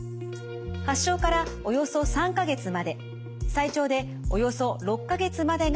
発症からおよそ３か月まで最長でおよそ６か月までが回復期です。